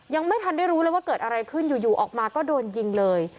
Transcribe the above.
ยังไม่ทันได้รู้เลยว่าเกิดอะไรขึ้นอยู่ออกมาก็โดนยิงเลย